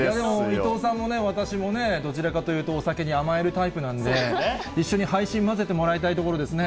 伊藤さんも私もね、どちらかというと、お酒に甘えるタイプなんで、一緒に配信交ぜてもらいたいところですね。